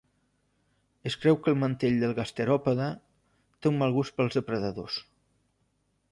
Es creu que el mantell del gasteròpode té un mal gust pels depredadors.